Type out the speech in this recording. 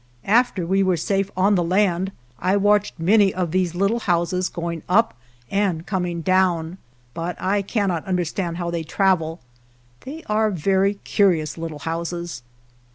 After we were safe on the land I watched many of these little houses going up and coming down, but I cannot understand how they travel. They are very curious little houses.